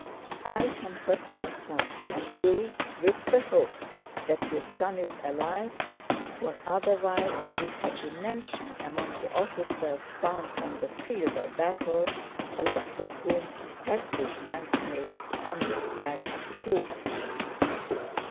I comfort myself and you with the hope that your son is alive, for otherwise he would have been mentioned among the officers found on the field of battle, a list of whom has been sent me under flag of truce."